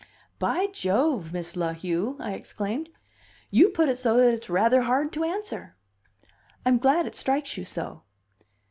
"By Jove, Miss La Heu!" I exclaimed, "you put it so that it's rather hard to answer." "I'm glad it strikes you so."